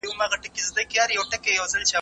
تاسي په ځوانۍ کي ښه واست .